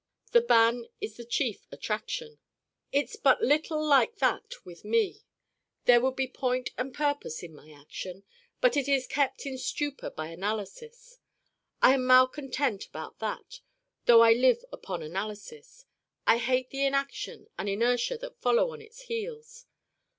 The ban is the chief attraction. It's but little like that with me. There would be point and purpose in my Action. But it is kept in stupor by analysis. I am malcontent about that, though I live upon analysis. I hate the inaction and inertia that follow on its heels.